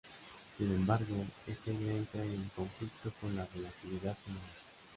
Sin embargo, esta idea entra en conflicto con la relatividad general.